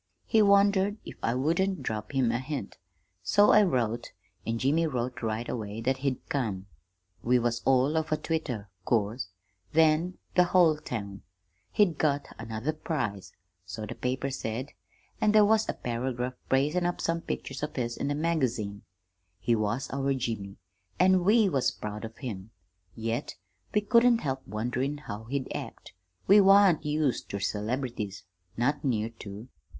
He wondered if I wouldn't drop him a hint. So I wrote, an' Jimmy wrote right away that he'd come. "We was all of a twitter, 'course, then the whole town. He'd got another prize so the paper said an' there was a paragraph praisin' up some pictures of his in the magazine. He was our Jimmy, an' we was proud of him, yet we couldn't help wonderin' how he'd act. We wan't used ter celebrities not near to!